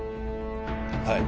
はい。